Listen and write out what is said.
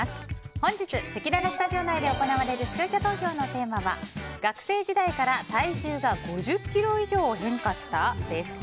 本日せきららスタジオ内で行われる視聴者投票のテーマは学生時代から体重が５０ｋｇ以上変化した？です。